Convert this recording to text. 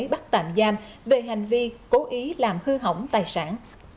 bắt tạm giam về hành vi cố ý làm hư hỏng tài sản